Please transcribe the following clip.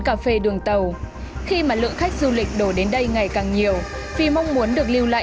cà phê đường tàu khi mà lượng khách du lịch đổ đến đây ngày càng nhiều vì mong muốn được lưu lại